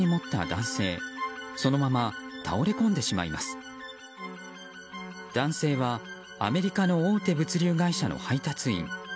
男性はアメリカの大手物流会社の配達員。